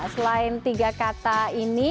selain tiga kata ini